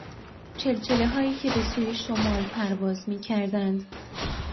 چلچلههایی که به سوی شمال پرواز میکردند